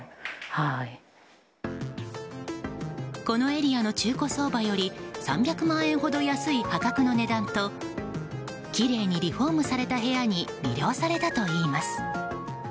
このエリアの中古相場より３００万円ほど安い破格の値段ときれいにリフォームされた部屋に魅了されたといいます。